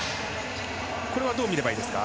これはどう見ればいいですか？